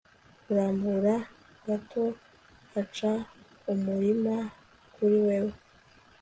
Kurambura gato gucaumurima kuri wewe